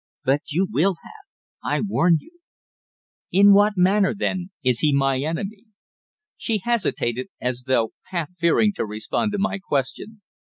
"But you will have. I warn you." "In what manner, then, is he my enemy?" She hesitated, as though half fearing to respond to my question.